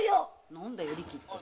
何だよ「リキ」って。